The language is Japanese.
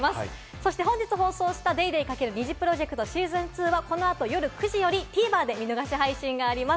そして本日放送した『ＤａｙＤａｙ．×ＮｉｚｉＰｒｏｊｅｃｔＳｅａｓｏｎ２』はこのあと夜９時よりＴＶｅｒで見逃し配信があります。